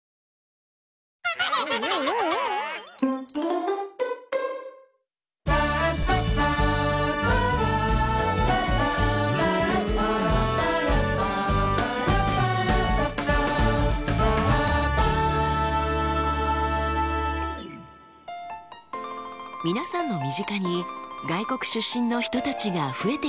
皆さんの身近に外国出身の人たちが増えていませんか？